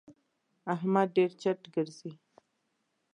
احمد ډېر چټ ګرځي.